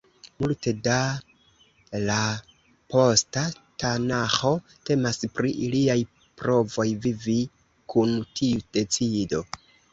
Multe da la posta Tanaĥo temas pri iliaj provoj vivi kun tiu decido.